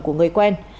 của người quen